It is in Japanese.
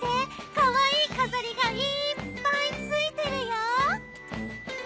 かわいい飾りがいっぱいついてるよ。